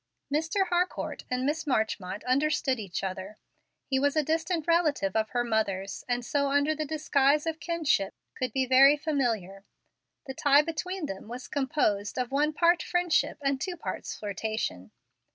Mr. Harcourt and Miss Marchmont understood each other. He was a distant relative of her mother's, and so under the disguise of kinship could be very familiar. The tie between them was composed of one part friendship and two parts flirtation.